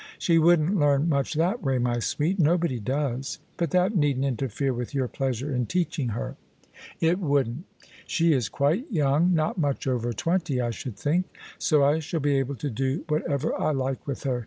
She wouldn't leam much that way, my sweet : nobody does. But that needn't interfere with your pleasure in teach ing her." " It wouldn't. She is quite young — ^not much over twenty I should think: so I shall be able to do whatever I like with her.